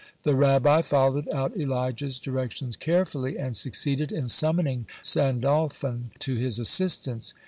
The Rabbi followed out Elijah's directions carefully, and succeeded in summoning Sandalphon to his assistance.